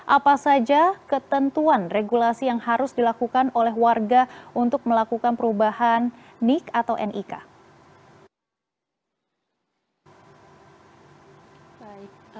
apa saja ketentuan regulasi yang harus dilakukan oleh warga untuk melakukan perubahan nik atau nik